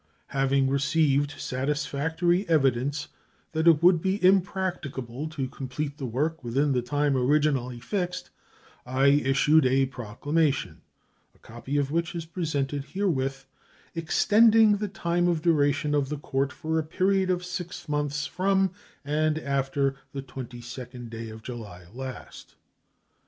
Having received satisfactory evidence that it would be impracticable to complete the work within the time originally fixed, I issued a proclamation (a copy of which is presented herewith) extending the time of duration of the court for a period of six months from and after the 22d day of July last.